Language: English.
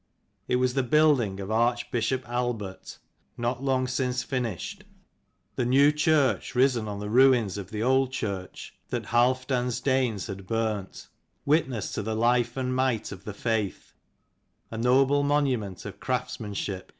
It was the building of archbishop Aelberht not long since finished ; the new church risen on the 253 ruins of the old church that Halfdan's Danes had burnt; witness to the life and might of the faith, a noble monument of craftsmanship.